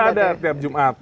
kita ada tiap jumat